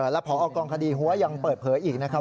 แล้วพอกองคดีหัวยังเปิดเผยอีกนะครับ